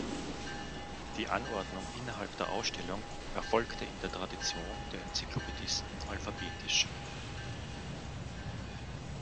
Die Anordnung innerhalb der Ausstellung erfolgte in der Tradition der Enzyklopädisten alphabetisch.